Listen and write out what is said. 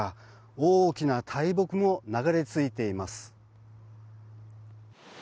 大きな大木も流れ着いています。